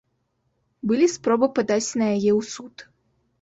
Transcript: Былі спробы падаць на яе ў суд.